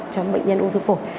đối với bệnh nhân ung thư phổi